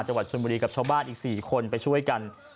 จังหวัดชนบุรีกับชาวบ้านอีก๔คนไปช่วยกัน